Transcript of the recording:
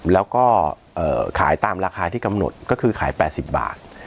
แล้วก็ขายตามราคาที่กำหนดก็คือขาย๘๐บาท